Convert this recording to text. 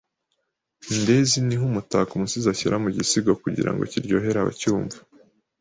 Indezi ni nk’umutako umusizi ashyira mu gisigo kugira ngo kiryohere abacyumva